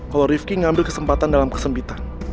kalo ariefki ngambil kesempatan dalam kesempitan